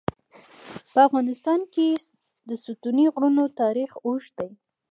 په افغانستان کې د ستوني غرونه تاریخ اوږد دی.